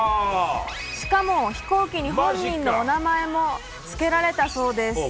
しかも飛行機に本人のお名前も付けられたそうです。